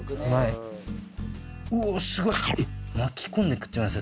うおすごい。